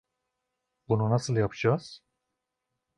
Bunu nasıl yapacağız?